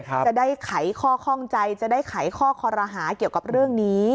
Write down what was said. จะได้ไขข้อข้องใจจะได้ไขข้อคอรหาเกี่ยวกับเรื่องนี้